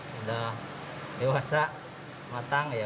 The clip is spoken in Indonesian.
terus udah dewasa matang ya